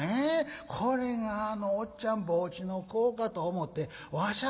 これがあの『おっちゃん帽子』の子かと思てわしゃ